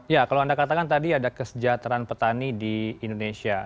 ya kalau anda katakan tadi ada kesejahteraan petani di indonesia